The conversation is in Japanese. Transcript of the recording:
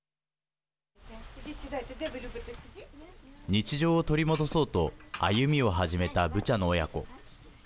日常を取り戻そうと歩みを始めたブチャの親子。